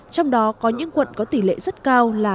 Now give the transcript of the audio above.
trong đó có những quận có tỷ lệ rất cao là